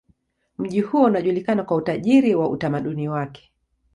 Mji huo unajulikana kwa utajiri wa utamaduni wake.